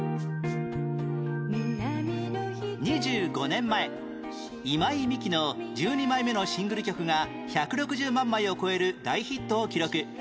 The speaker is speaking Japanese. ２５年前今井美樹の１２枚目のシングル曲が１６０万枚を超える大ヒットを記録